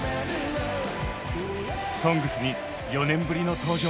「ＳＯＮＧＳ」に４年ぶりの登場。